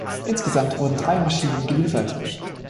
Insgesamt wurden drei Maschinen geliefert.